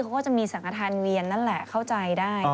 เขาก็จะมีสังฆฐานเวียนนั่นแหละเข้าใจได้